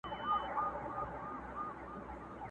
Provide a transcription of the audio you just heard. سایله اوس دي پر دښتونو عزرائیل وګوره٫